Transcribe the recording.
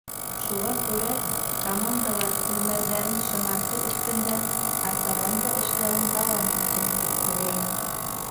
Шуға күрә, командалар телмәрҙәрен шымартыу өҫтөндә артабан да эшләүен дауам итһен, тип теләйем.